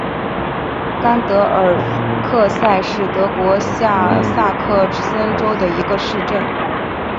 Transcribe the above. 甘德尔克塞是德国下萨克森州的一个市镇。